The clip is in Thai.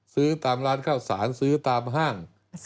ซื้อตามร้านข้าวสารซื้อตามห้าง